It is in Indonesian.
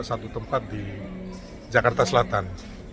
satu tempat di jakarta selatan